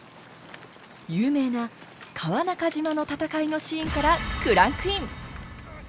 有名な川中島の戦いのシーンからクランクイン！